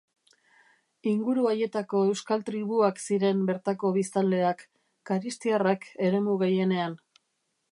Inguru haietako euskal tribuak ziren bertako biztanleak, karistiarrak eremu gehienean.